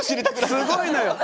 すごいのよ。